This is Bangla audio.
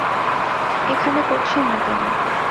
এখানে করছেন না কেন?